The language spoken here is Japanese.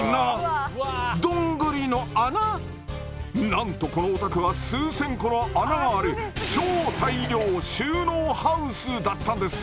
なんとこのお宅は数千個の穴がある「超大量・収納ハウス」だったんです。